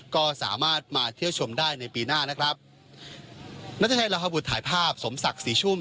ก็สามารถมาเที่ยวชมได้ในปีหน้านะครับนัทชัยลาฮบุตรถ่ายภาพสมศักดิ์ศรีชุ่ม